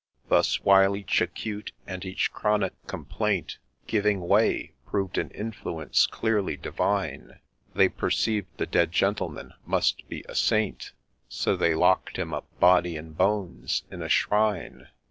Thus, while each acute and each chronic complaint Giving way, proved an influence clearly divine, They perceived the dead Gentleman must be a Saint, So they lock'd him up, body and bones, in a shrine.